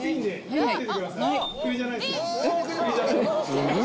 すごい。